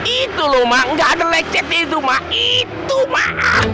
itu loh mah gak ada lecet itu mah itu mah